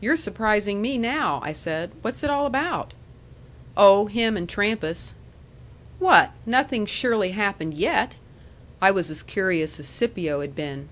"You're surprising me now," I said. "What's it all about?" "Oh, him and Trampas." "What? Nothing surely happened yet?" I was as curious as Scipio had been.